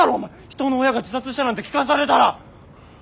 人の親が自殺したなんて聞かされたら。